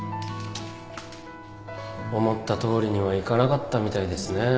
思ったとおりにはいかなかったみたいですね。